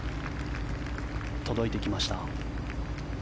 届いてきました。